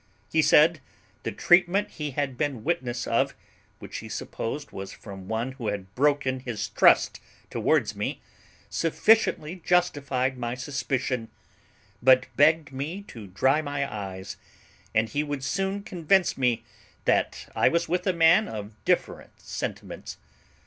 He said, the treatment he had been witness of, which he supposed was from one who had broken his trust towards me, sufficiently justified my suspicion; but begged me to dry my eyes, and he would soon convince me that I was with a man of different sentiments.